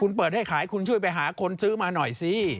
คุณเปิดให้ขายคุณช่วยไปหาคนซื้อมาหน่อยสิ